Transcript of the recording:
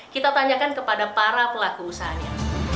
kita tanyakan kepada para pelaku usahanya